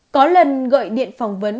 có lần gọi điện phỏng vấn